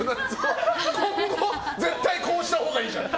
今後絶対こうしたほうがいいじゃん。